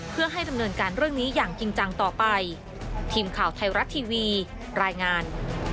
เพื่อให้ดำเนินการเรื่องนี้อย่างจริงจังต่อไปทีมข่าวไทยรัฐทีวีรายงาน